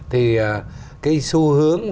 thì cái xu hướng